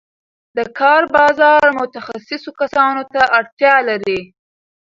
د کار بازار متخصصو کسانو ته اړتیا لري.